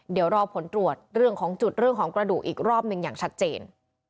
เดี๋ยวรอผลตรวจเรื่องของจุดเรื่องของกระดูกอีกรอบหนึ่งอย่างชัดเจน